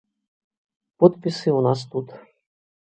Подпісы ў нас тут.